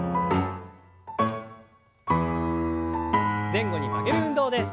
前後に曲げる運動です。